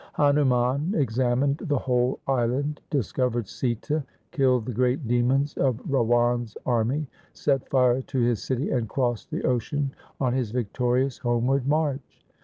Hanuman examined the whole island, discovered Sita, killed the great demons of Rawan's army, set fire to his city, and crossed the ocean on his victorious homeward march.